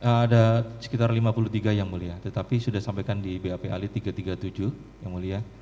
ada sekitar lima puluh tiga yang mulia tetapi sudah sampaikan di bap ali tiga ratus tiga puluh tujuh yang mulia